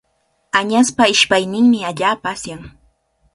Añaspa ishpayninmi allaapa asyan.